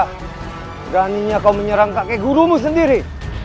beraninya kau menyerang kakek gurumu sendiri